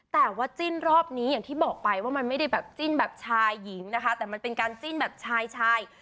แต่ว่าจิ้นรอบนี้อย่างที่บอกไปว่ามันไม่ได้แบบจิ้นแบบชายหญิงนะคะแต่มันเป็นการจิ้นแบบชายชาย